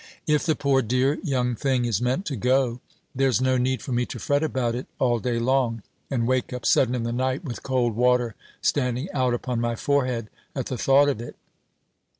"If the poor dear young thing is meant to go, there's no need for me to fret about it all day long, and wake up sudden in the night with cold water standing out upon my forehead at the thought of it.